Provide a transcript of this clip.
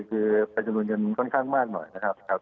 คือเป็นจำนวนเงินค่อนข้างมากหน่อยนะครับ